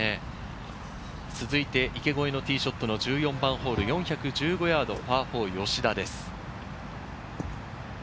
続いて池越えのティーショットの１４番ホール、４１５ヤードのパー４、吉田です。